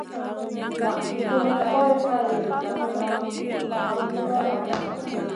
Naʼ tunum goy hay zlaratna ma ŋulona.